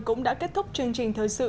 cũng đã kết thúc chương trình thời sự